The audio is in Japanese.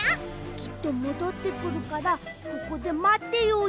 きっともどってくるからここでまってようよ。